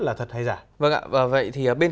là thật hay giả vâng ạ và vậy thì bên